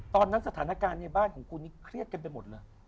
ตอนนั้นสถานการณ์ในบ้านของคุณนี่เครียดกันไปหมดเลย